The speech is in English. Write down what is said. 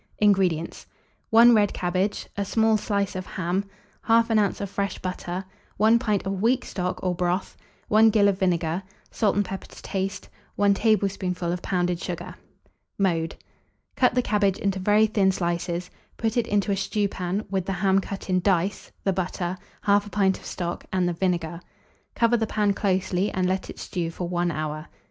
INGREDIENTS. 1 red cabbage, a small slice of ham, 1/2 oz. of fresh butter, 1 pint of weak stock or broth, 1 gill of vinegar, salt and pepper to taste, 1 tablespoonful of pounded sugar. Mode. Cut the cabbage into very thin slices, put it into a stewpan, with the ham cut in dice, the butter, 1/2 pint of stock, and the vinegar; cover the pan closely, and let it stew for 1 hour.